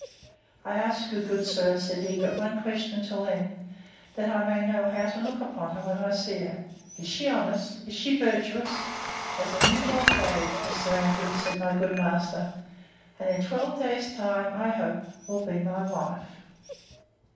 I will ask you, good sir, said he, but one question till then, that I may know how to look upon her when I see her. Is she honest? Is she virtuous?—As the new born babe, Mr. Andrews, said my good master; and in twelve days time, I hope, will be my wife.